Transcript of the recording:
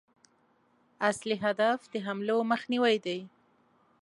اصلي هدف د حملو مخنیوی دی.